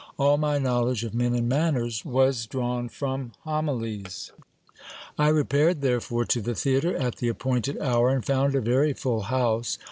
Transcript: All my knowledge of men and manners was drawn from homilies ! I repaired therefore to the theatre at the appointed hour, and found a very full house.